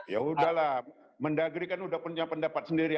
ya udahlah mendagri kan udah punya pendapat sendiri